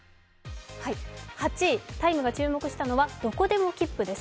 ８位、「ＴＩＭＥ，」が注目したのは、どこでもきっぷです。